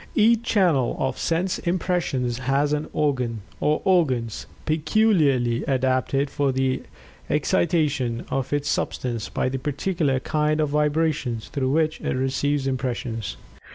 Each channel of sense impressions has an organ, or organs, peculiarly adapted for the excitation of its substance by the particular kind of vibrations through which it receives impressions.